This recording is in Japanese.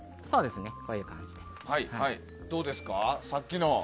どうですか？